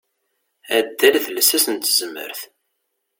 Addal d lsas n tezmert.